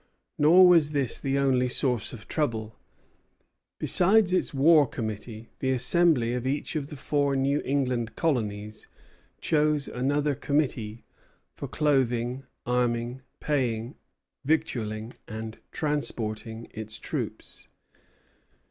Nor was this the only source of trouble. Besides its war committee, the Assembly of each of the four New England colonies chose another committee "for clothing, arming, paying, victualling, and transporting" its troops.